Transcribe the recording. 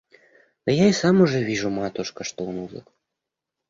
Да я и сам уже вижу, матушка, что он узок.